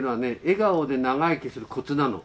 笑顔で長生きするコツなの。